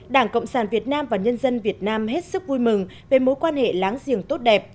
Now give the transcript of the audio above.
đảng cộng sản việt nam và nhân dân việt nam hết sức vui mừng về mối quan hệ láng giềng tốt đẹp